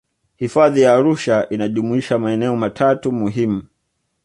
hifadhi ya arusha inajumuisha maeneo matatu muhimu